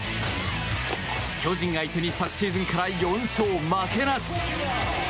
巨人相手に昨シーズンから４勝負けなし。